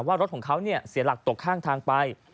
ว่ารถของเขาเสียหลักตกข้างทางไป